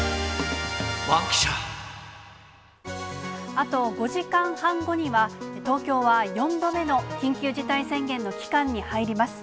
あと５時間半後には、東京は４度目の緊急事態宣言の期間に入ります。